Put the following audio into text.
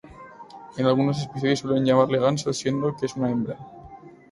En algunos episodios suelen llamarle "Ganso", siendo que es una hembra.